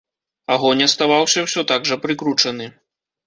Агонь аставаўся ўсё так жа прыкручаны.